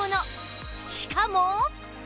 しかも